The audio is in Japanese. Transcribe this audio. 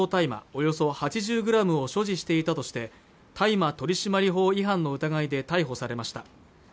およそ８０グラムを所持していたとして大麻取締法違反の疑いで逮捕されました